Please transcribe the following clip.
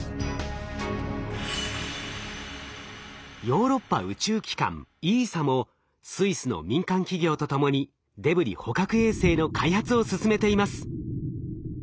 ヨーロッパ宇宙機関ＥＳＡもスイスの民間企業と共にデブリ捕獲衛星の開発を進めています。